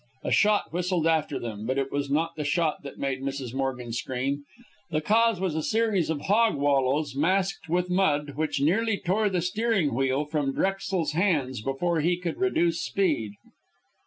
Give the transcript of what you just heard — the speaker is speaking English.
A shot whistled after them. But it was not the shot that made Mrs. Morgan scream. The cause was a series of hog wallows masked with mud, which nearly tore the steering wheel from Drexel's hands before he could reduce speed.